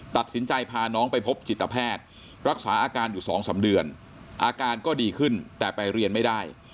ตัดสินใจพาน้องไปพบจิตแพทย์รักษาอาการอยู่๒๓เดือนอาการก็ดีขึ้นแต่ไปเรียนไม่ได้